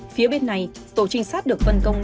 phía bên này tổ trinh sát được phân công